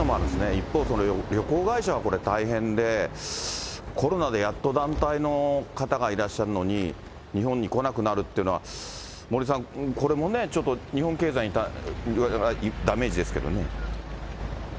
一方、旅行会社はこれ大変で、コロナでやっと団体の方がいらっしゃるのに、日本に来なくなるというのは、森さん、これもね、ちょっと日本経済にダメージですけどね。